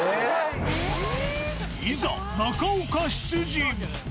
いざ、中岡出陣。